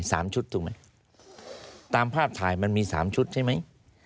สามชุดถูกไหมตามภาพถ่ายมันมีสามชุดใช่ไหม